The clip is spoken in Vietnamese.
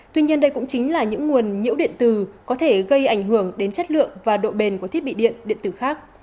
tuy nhiên đây cũng chính là những nguồn nhiễu điện tử có thể gây ảnh hưởng đến chất lượng và độ bền của thiết bị điện điện tử khác